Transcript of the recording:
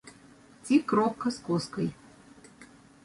Ці кропка з коскай.